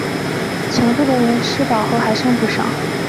全部人都吃饱后还剩不少